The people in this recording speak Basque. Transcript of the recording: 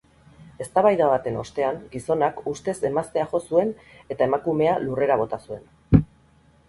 Eztabaida baten ostean gizonak ustez emaztea jo zuen eta emakumea lurrera bota zuen.